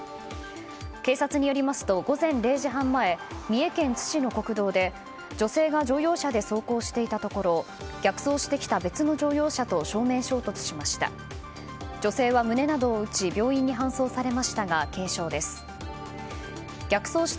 警察によりますと午前０時半前三重県津市の国道で女性が乗用車で走行していたところ逆走してきた別の乗用車と正面衝突しました。